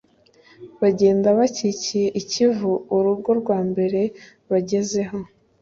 bagenda bakikiye ikivu, urugo rwambere bagezeho